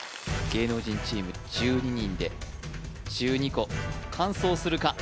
芸能人チーム１２人で１２個完走するか？